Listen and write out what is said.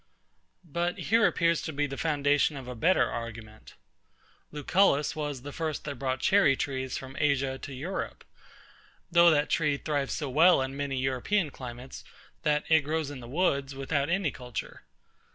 But here appears to be the foundation of a better argument. LUCULLUS was the first that brought cherry trees from ASIA to EUROPE; though that tree thrives so well in many EUROPEAN climates, that it grows in the woods without any culture.